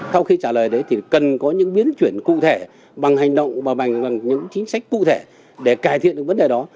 sau khi trả lời đấy thì cần có những biến chuyển cụ thể bằng hành động và những chính sách cụ thể để cải thiện được vấn đề đó